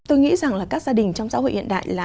tôi nghĩ rằng là các gia đình trong xã hội hiện đại là